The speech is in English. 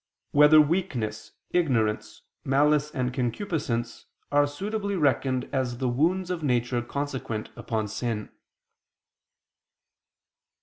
3] Whether Weakness, Ignorance, Malice and Concupiscence Are Suitably Reckoned As the Wounds of Nature Consequent Upon Sin?